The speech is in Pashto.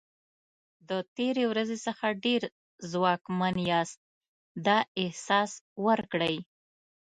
د تېرې ورځې څخه ډېر ځواکمن یاست دا احساس ورکړئ.